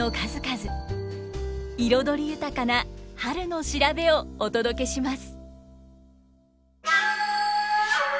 彩り豊かな春の調べをお届けします。